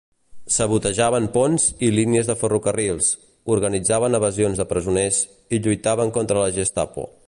Sabotejaven ponts i línies de ferrocarrils, organitzaven evasions de presoners i lluitaven contra la Gestapo.